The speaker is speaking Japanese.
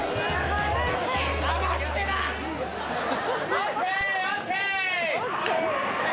ＯＫ、ＯＫ。